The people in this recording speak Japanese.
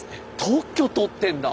特許取ってんだ！